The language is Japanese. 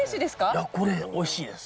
いやこれおいしいです。